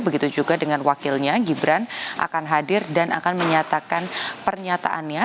begitu juga dengan wakilnya gibran akan hadir dan akan menyatakan pernyataannya